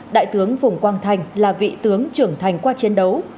đại tướng phùng quang thanh là vị tướng trưởng thành qua chiến đấu